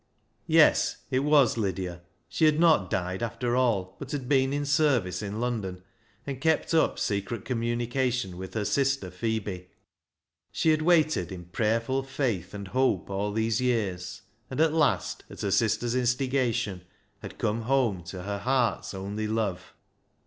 Yes, it was Lydia. She had not died after all, but had been in service in London, and kept up secret communication with her sister Phebe. She had waited in prayerful faith and hope all these years, and at last, at her sister's instigation, had come home to her heart's only love.